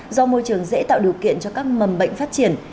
do môi trường dễ tạo điều kiện cho các mầm bệnh phát triển